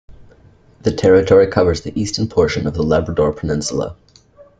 The territory covers the eastern portion of the Labrador peninsula.